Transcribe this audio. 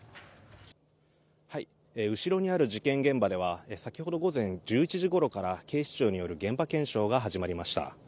後ろにある事件現場では先ほど午前１１時ごろから警視庁による現場検証が始まりました。